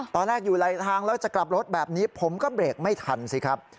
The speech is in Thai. ตอนแรกอยู่ไหลทางแล้วจะกลับรถแบบนี้ผมก็เบรกไม่ทันสิครับ